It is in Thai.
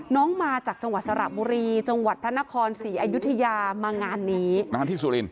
น้องมาจากจังหวัดสระบุรีจังหวัดพระนครศรีอายุธยามางานนี้